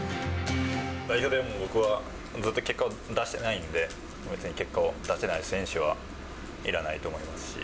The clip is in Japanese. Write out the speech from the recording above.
代表で僕はずっと結果を出してないんで、結果を出せない選手はいらないと思いますし。